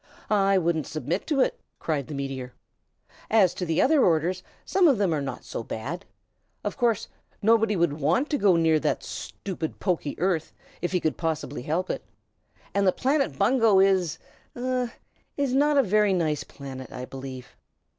I wouldn't submit to it!" cried the meteor. "As to the other orders, some of them are not so bad. Of course, nobody would want to go near that stupid, poky Earth, if he could possibly help it; and the planet Bungo is ah is not a very nice planet, I believe.